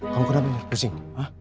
kamu kenapa mir pusing